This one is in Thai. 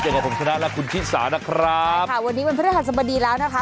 กับผมชนะและคุณชิสานะครับค่ะวันนี้วันพฤหัสบดีแล้วนะคะ